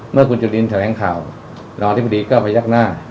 เมื่อคุณจุลินแถลงข่าวรองอธิบดีก็พยักหน้า